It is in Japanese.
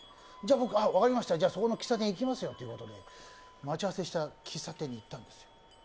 僕、分かりました、そこの喫茶店に行きますよと、待ち合わせした喫茶店に行ったんです。